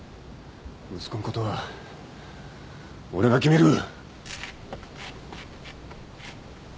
息子のことは俺が決める。